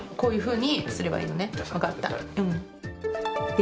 え⁉